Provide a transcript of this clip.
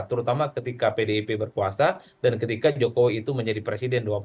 terutama ketika pdip berkuasa dan ketika jokowi itu menjadi presiden dua ribu dua